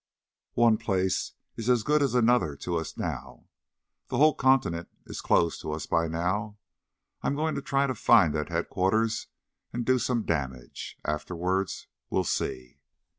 "One place is as good as another to us, now. The whole continent is closed to us by now. I'm going to try to find that headquarters and do some damage. Afterwards, we'll see."